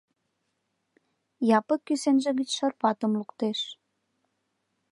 Япык кӱсенже гыч шырпатым луктеш.